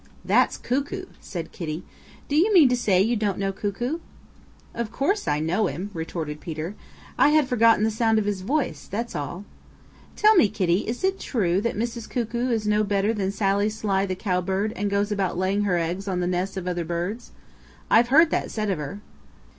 "That's Cuckoo," said Kitty. "Do you mean to say you don't know Cuckoo?" "Of course I know him," retorted Peter. "I had forgotten the sound of his voice, that's all. Tell me, Kitty, is it true that Mrs. Cuckoo is no better than Sally Sly the Cowbird and goes about laying her eggs in the nests of other birds? I've heard that said of her."